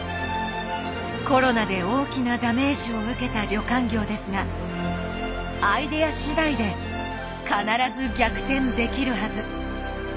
コロナで大きなダメージを受けた旅館業ですがアイデアしだいで必ず逆転できるはず。